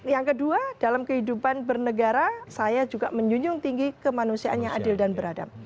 yang kedua dalam kehidupan bernegara saya juga menjunjung tinggi kemanusiaan yang adil dan beradab